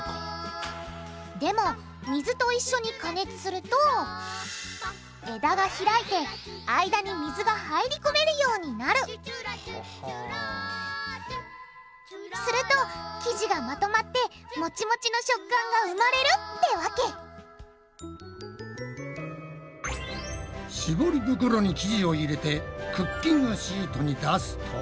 でも水と一緒に加熱すると枝が開いて間に水が入り込めるようになるすると生地がまとまってモチモチの食感が生まれるってわけ絞り袋に生地を入れてクッキングシートに出すと。